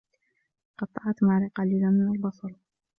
قطّعت ماري قليلا من البصل.